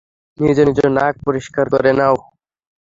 নিজ নিজ নাক পরিষ্কার করে নাও।